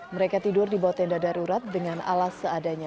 mereka tidur di bawah tenda darurat dengan alas seadanya